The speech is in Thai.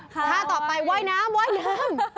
ท่าต่อไปว่ายน้ำว่ายน้ำ